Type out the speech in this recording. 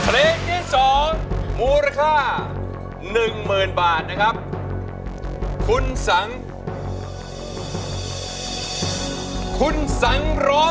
ร้องได้ให้ล้าง